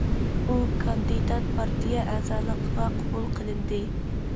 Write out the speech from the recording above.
ئۇ كاندىدات پارتىيە ئەزالىقىغا قوبۇل قىلىندى.